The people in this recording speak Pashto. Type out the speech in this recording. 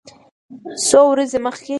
څو ورځې مخکې